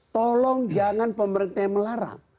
tolong jangan pemerintah yang melarang